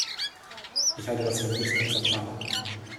Ich halte das für nicht akzeptabel.